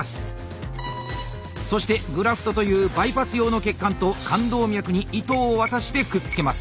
そしてグラフトというバイパス用の血管と冠動脈に糸を渡してくっつけます。